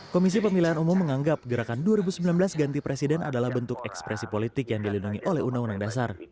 komisi pemilihan umum menganggap gerakan dua ribu sembilan belas ganti presiden adalah bentuk ekspresi politik yang dilindungi oleh undang undang dasar